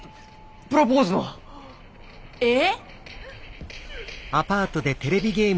プロポーズの！え！？